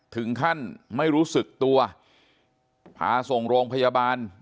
ถึงขั้นไม่รู้สึกตัวพาส่งโรงพยาบาล